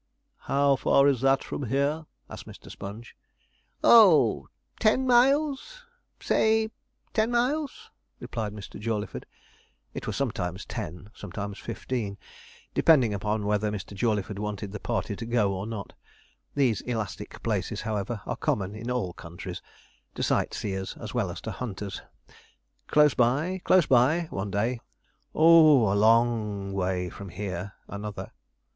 'How far is that from here?' asked Mr. Sponge. 'Oh, ten miles say ten miles,' replied Mr. Jawleyford. It was sometimes ten, and sometimes fifteen, depending upon whether Mr. Jawleyford wanted the party to go or not. These elastic places, however, are common in all countries to sight seers as well as to hunters. 'Close by close by,' one day. 'Oh! a lo o ng way from here,' another.